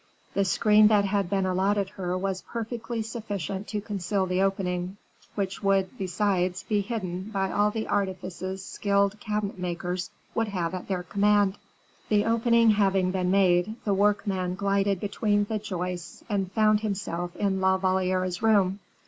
The screen that had been allotted her was perfectly sufficient to conceal the opening, which would, besides, be hidden by all the artifices skilled cabinet makers would have at their command. The opening having been made, the workman glided between the joists, and found himself in La Valliere's room.